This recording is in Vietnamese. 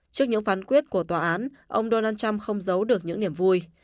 trước những phán quyết của tòa án ông donald trump không giấu được những niềm vui